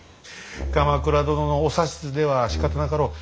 鎌倉殿のお指図ではしかたなかろう。